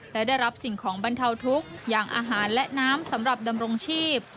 และได้รับสิ่งของบรรเทาทุกข์อย่างอาหารและน้ำสำหรับดำรงชีพ